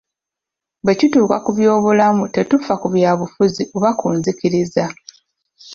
Bwe kituuka ku by'obulamu tetufa ku byabufuzi oba ku nzikiriza.